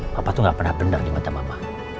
papa tuh gak pernah benar di mata mama